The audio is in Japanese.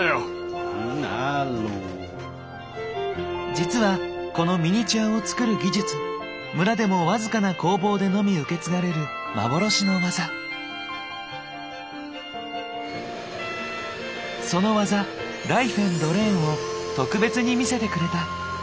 実はこのミニチュアを作る技術村でも僅かな工房でのみ受け継がれるその技「ライフェンドレーン」を特別に見せてくれた。